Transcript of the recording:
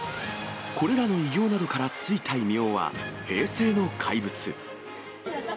これらの偉業などから付いた異名は、平成の怪物。